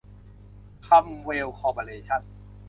คัมเวล คอร์ปอเรชั่น